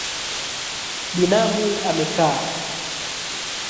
Binamu amekaa